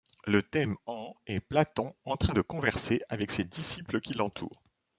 Le thème en est Platon en train de converser avec ses disciples qui l'entourent.